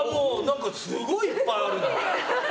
すごいいっぱいある。